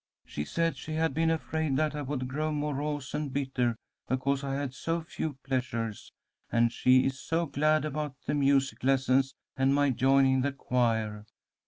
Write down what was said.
"She said she had been afraid that I would grow morose and bitter because I had so few pleasures, and she is so glad about the music lessons and my joining the choir.